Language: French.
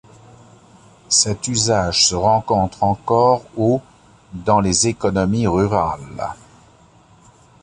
Cet usage se rencontre encore aux dans les économies rurales.